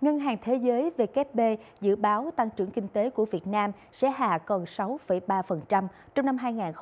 ngân hàng thế giới vkp dự báo tăng trưởng kinh tế của việt nam sẽ hạ còn sáu ba trong năm hai nghìn hai mươi